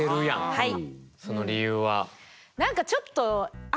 はい。